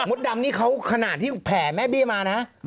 ดำนี่เขาขนาดที่แผ่แม่เบี้ยมานะ